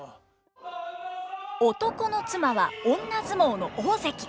男の妻は女相撲の大関。